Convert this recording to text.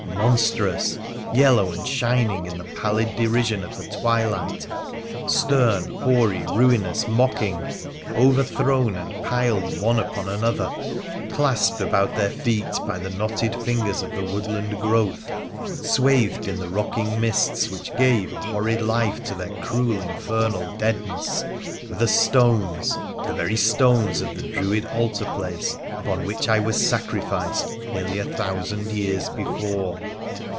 monstrous !— yellow and shining in the pallid derision of the twilight, stern, hoary, ruinous, mocking — overthrown and piled one upon another, clasped about their feet by the knotted fingers of the woodland growth, swathed in the rocking mists which gave a horrid life to their cruel, infernal deadness, were the stones, the very stones of that Druid altar place upon which I was sacrificed nearly a thousand years before